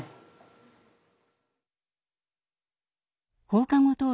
放課後等